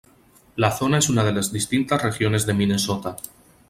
La zona es una de las distintas regiones de Minnesota.